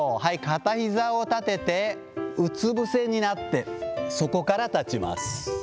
片ひざを立ててうつ伏せになって、そこから立ちます。